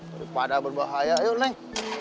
daripada berbahaya yuk neng